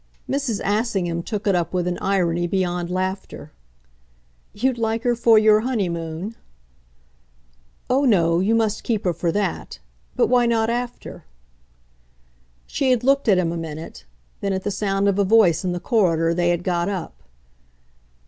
Mrs. Assingham took it up with an irony beyond laughter. "You'd like her for your honeymoon?" "Oh no, you must keep her for that. But why not after?" She had looked at him a minute; then, at the sound of a voice in the corridor, they had got up.